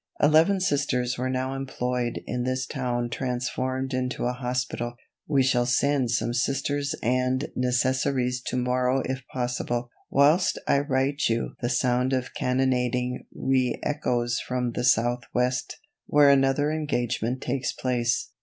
Eleven Sisters were now employed in this town transformed into a hospital. We shall send some Sisters and necessaries to morrow if possible. Whilst I write you the sound of cannonading re echoes from the Southwest, where another engagement takes place.